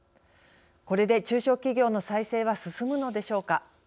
これで中小企業の再生は進むのでしょうか。